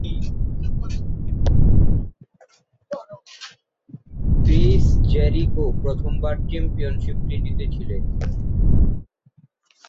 Chris Jericho প্রথমবার চ্যাম্পিয়নশিপটি জিতেছিলেন।